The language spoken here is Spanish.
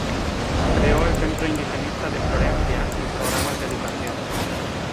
Creó el Centro Indigenista de Florencia y programas de educación.